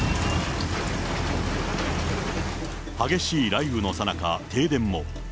激しい雷雨のさなか、停電も。